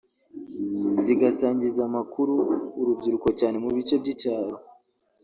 zigasangiza amakuru urubyiruko cyane mu bice by’icyaro